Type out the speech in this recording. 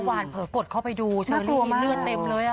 เผลอกดเข้าไปดูเชอรี่เลือดเต็มเลย